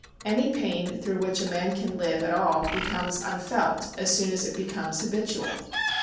Any pain through which a man can live at all becomes unfelt as soon as it becomes habitual.